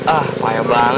ah payah banget sih lo